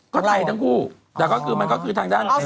ก็ไทยทั้งคู่แต่มันก็คือทางด้านไทย